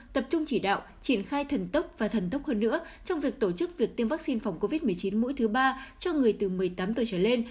tập trung chỉ đạo triển khai thần tốc và thần tốc hơn nữa trong việc tổ chức việc tiêm vaccine phòng covid một mươi chín mũi thứ ba cho người từ một mươi tám tuổi trở lên